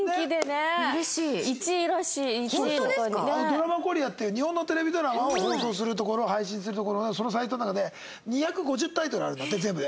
ドラマコリアっていう日本のテレビドラマを放送するところ配信するところのそのサイトの中で２５０タイトルあるんだって全部で。